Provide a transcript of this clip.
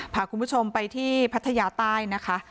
พาคุณผู้ชมไปที่พัทยาใต้นะคะ